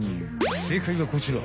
正解はこちら。